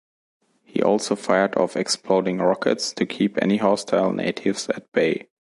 He also fired off exploding rockets to keep any hostile natives at bay.